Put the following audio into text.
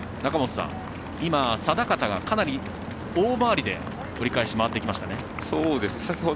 今、定方がかなり大回りで折り返し、回っていきましたね。